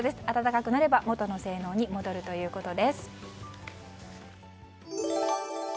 温かくなれば元の性能に戻るということです。